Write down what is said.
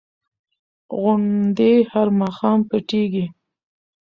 غوندې هر ماښام پټېږي.